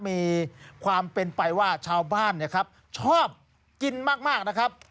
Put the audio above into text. มีความเป็นไปว่าชาวบ้านเนี่ยครับชอบกินมากนะครับ